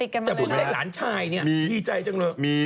จับเอกหลานชายนี่ยินใจจังเลย